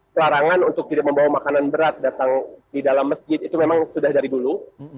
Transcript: pelarangan untuk tidak membawa makanan berat datang di dalam masjid itu memang sudah dari dulu